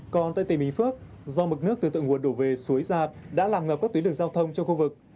còn tại tỉnh bình phước do mực nước từ thượng nguồn đổ về suối ra đã làm ngập các tuyến đường giao thông trong khu vực